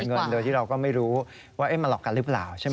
ต้องมาเสียเงินโดยที่เราก็ไม่รู้ว่ามาหลอกกันหรือเปล่าใช่มั้ย